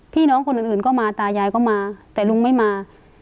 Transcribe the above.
พี่น้องคนอื่นก็มาตายายก็มาแต่ลุงไม่มา